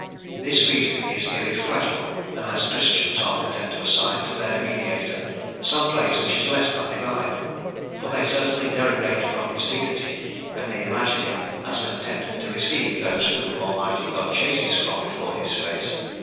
This reasoning is irrefragable, unless Christians are content to assign to their mediator some place which is less than divine; for they certainly derogate from his dignity when they imagine him as content to receive those whom Almighty God chases from before His face.